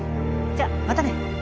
じゃまたね。